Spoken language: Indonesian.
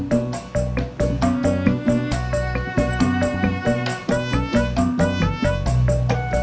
kemudian sampai luar biasa lagi dikaworkan ya